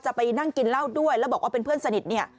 ไปนั่งกินเหล้าด้วยแล้วบอกว่าเป็นเพื่อนสนิทเนี่ย